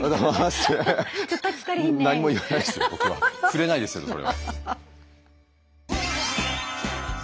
触れないですよそれは。